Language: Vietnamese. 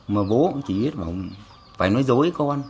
mà bố cũng chỉ biết phải nói dối con